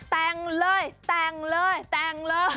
แต่งเลยแต่งเลยแต่งเลย